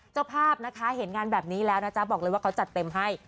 เจ้าภาพนะคะเห็นงานแบบนี้แล้วนะจ๊ะบอกเลยว่าเขาจัดเต็มให้